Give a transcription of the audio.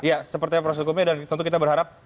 ya seperti apa proses hukumnya dan tentu kita berharap